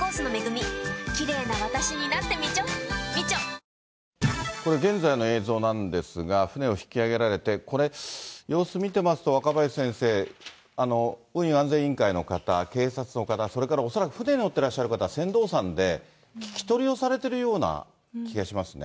ゾンビ臭に新「アタック抗菌ＥＸ」これ、現在の映像なんですが、船を引き揚げられて、これ、様子見てますと、若林先生、運輸安全委員会の方、警察の方、それから恐らく船に乗ってらっしゃる方、船頭さんで、聞き取りをされてるような気がしますね。